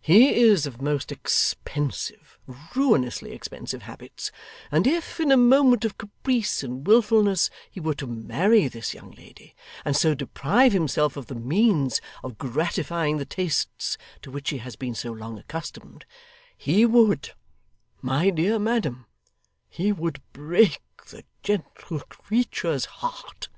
He is of most expensive, ruinously expensive habits; and if, in a moment of caprice and wilfulness, he were to marry this young lady, and so deprive himself of the means of gratifying the tastes to which he has been so long accustomed, he would my dear madam, he would break the gentle creature's heart.